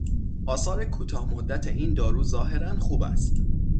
آثار کوتاه مدت این دارو ظاهرا خوب است.